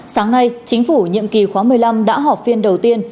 sáng nay chính phủ nhiệm kỳ khóa một mươi năm đã họp phiên đầu tiên